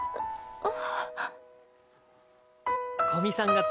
あっ。